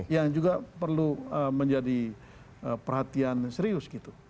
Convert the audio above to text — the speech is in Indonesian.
yang juga perlu menjadi perhatian serius gitu